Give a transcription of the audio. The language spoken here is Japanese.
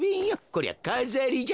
こりゃかざりじゃ。